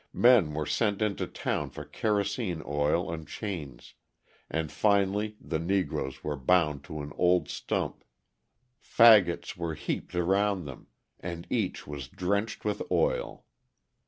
Men were sent into town for kerosene oil and chains, and finally the Negroes were bound to an old stump, fagots were heaped around them, and each was drenched with oil.